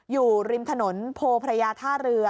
อยู่ริมถนนโพพระยาท่าเรือ